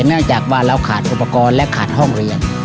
เนื่องจากว่าเราขาดอุปกรณ์และขาดห้องเรียน